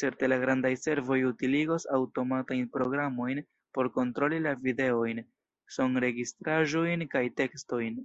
Certe la grandaj servoj utiligos aŭtomatajn programojn por kontroli la videojn, sonregistraĵojn kaj tekstojn.